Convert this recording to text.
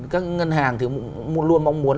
các ngân hàng thì luôn mong muốn